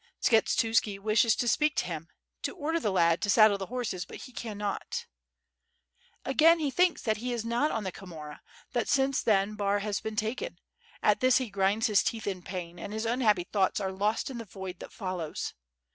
... Skshetuski wishes to speak to him, to order the lad to saddle the horses, but he cannot Again he thinks that he is not on the Khomora, that since then Bar has been taken, — at this he grinds his teeth in pain, and his unhappy thoughts are lost in the void that follows.